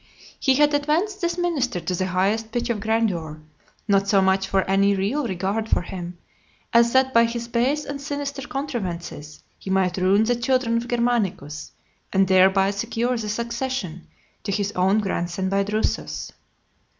He had advanced this minister to the highest pitch of grandeur, not so much from any real regard for him, as that by his base and sinister contrivances he might ruin the children of Germanicus, and thereby secure the succession to his own grandson by Drusus.